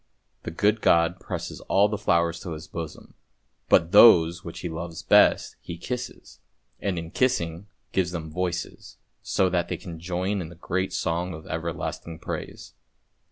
The good God presses all the flowers to His bosom, but those which He loves best He kisses, and in kissing them gives them voices, so that they can join in the great song of everlasting praise.